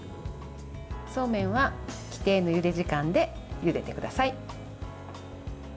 そうめんは規定のゆで時間でゆでてください。